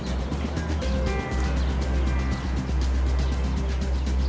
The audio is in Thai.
เมื่อเวลาที่สุดท้ายมันกลายเป้าหมายเป้าหมายเป็นสุดท้ายที่สุดท้าย